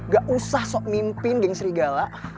gak usah sok mimpin dengan serigala